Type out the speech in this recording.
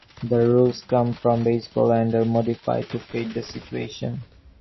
The rules come from baseball and are modified to fit the situation.